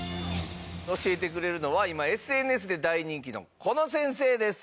教えてくれるのは今ＳＮＳで大人気のこの先生です。